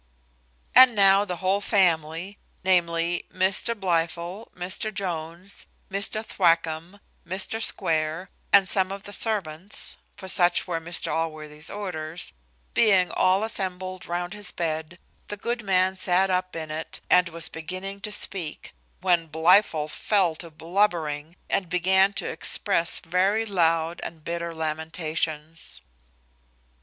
And now the whole family, namely, Mr Blifil, Mr Jones, Mr Thwackum, Mr Square, and some of the servants (for such were Mr Allworthy's orders) being all assembled round his bed, the good man sat up in it, and was beginning to speak, when Blifil fell to blubbering, and began to express very loud and bitter lamentations.